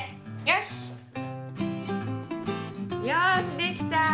よしできた！